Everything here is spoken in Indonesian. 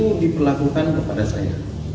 itu diperlakukan kepada saya